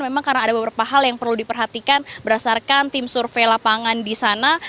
memang karena ada beberapa hal yang perlu diperhatikan berdasarkan tim survei lapangan di sana